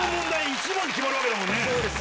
１問で決まるわけだもんね。